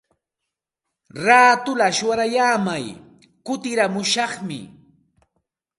Raatulla shuyaaramay kutiramushaqmi.